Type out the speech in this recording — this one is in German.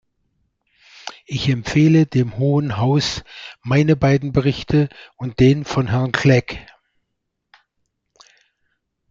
Ich empfehle dem Hohen Haus meine beiden Berichte und den von Herrn Clegg.